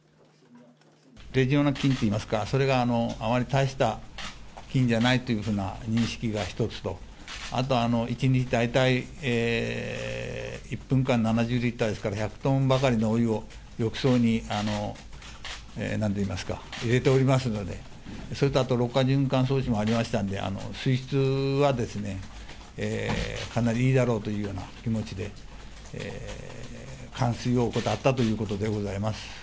レジオネラ菌といいますか、それがあまり大した菌じゃないというふうな認識が１つと、あと１日大体、１分間７０リッターですから、１００トンばかりのお湯を浴槽になんといいますか、入れておりますので、それとあと、ろ過循環装置もありましたので、水質はですね、かなりいいだろうというような気持ちで、換水を怠ったということでございます。